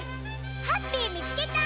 ハッピーみつけた！